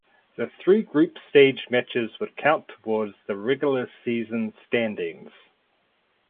The three group stage matches would count towards the regular season standings.